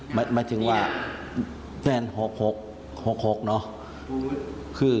หมายถึงว่าแฟน๖๖เนอะ